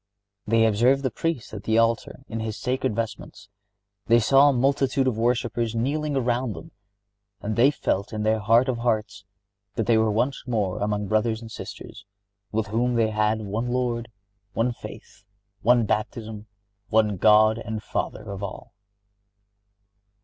They observed the Priest at the altar in his sacred vestments. They saw a multitude of worshipers kneeling around them, and they felt in their heart of hearts that they were once more among brothers and sisters, with whom they had "one Lord, one faith, one baptism, one God and Father of all."